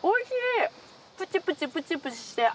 プチプチプチプチして。